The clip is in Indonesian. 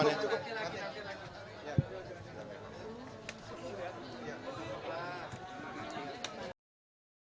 kita menunggu laporannya dari apa namanya pemerintah daerah